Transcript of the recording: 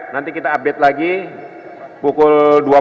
nanti kita update lagi pukul dua puluh